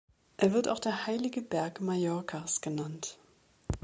Er wird auch der „Heilige Berg“ Mallorcas genannt.